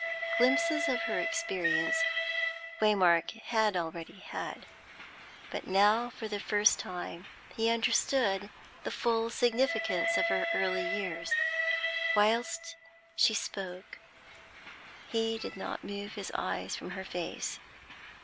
Glimpses of her experience Waymark had already had, but now for the first time he understood the full significance of her early years. Whilst she spoke, he did not move his eyes from her face.